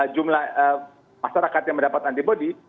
jumlah masyarakat yang mendapat antibody